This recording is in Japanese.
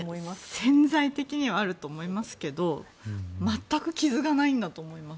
潜在的にはあると思いますけど全く傷がないんだと思います。